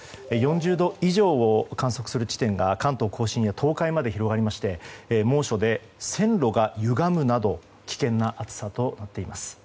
４０度以上を観測する地点が関東・甲信や東海まで広がりまして猛暑で線路がゆがむなど危険な暑さとなっています。